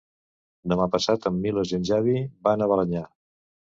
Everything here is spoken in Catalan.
Demà passat en Milos i en Xavi van a Balenyà.